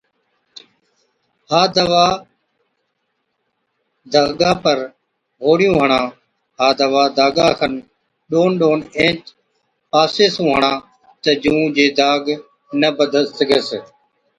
ها دَوا داگا پر هوڙيُون هڻا ها دَوا داگا کن ڏون ڏون اينچ پاسي سُون هڻا تہ جُون جي داگ نہ بڌ سِگھس۔